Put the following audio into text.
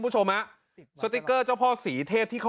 สติกเกอร์เจ้าพ่อศรีเทศ